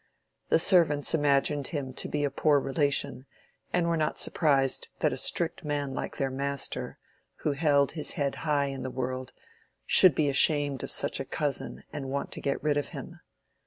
The servants imagined him to be a poor relation, and were not surprised that a strict man like their master, who held his head high in the world, should be ashamed of such a cousin and want to get rid of him.